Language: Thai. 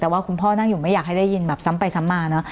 แต่ว่าคุณพ่อนั่งอยู่ไม่อยากให้ได้ยินแบบซ้ำไปซ้ำมาเนอะ